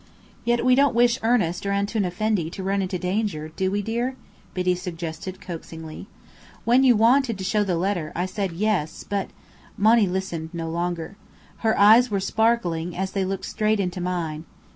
"Yet we don't wish Ernest or Antoun Effendi to run into danger, do we, dear?" Biddy suggested, coaxingly. "When you wanted to show the letter, I said yes, but " Monny listened no longer. Her eyes were sparkling, as they looked straight into mine.